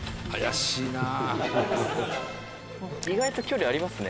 「意外と距離ありますね」